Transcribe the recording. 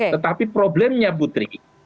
tetapi problemnya putri